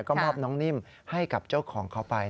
ก็มอบน้องนิ่มให้กับเจ้าของเขาไป